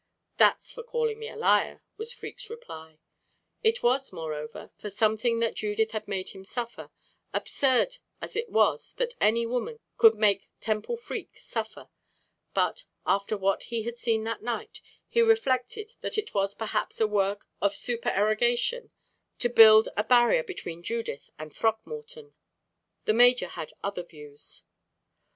"That's for calling me a liar," was Freke's reply. It was, moreover, for something that Judith had made him suffer absurd as it was that any woman could make Temple Freke suffer. But, after what he had seen that night, he reflected that it was perhaps a work of supererogation to build a barrier between Judith and Throckmorton. The major had other views.